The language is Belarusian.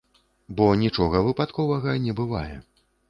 Бо нічога выпадковага не бывае.